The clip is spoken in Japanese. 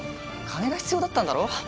金が必要だったんだろ？